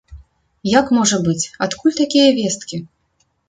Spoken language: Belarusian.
Як можа быць, адкуль такія весткі?